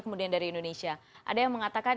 kemudian dari indonesia ada yang mengatakan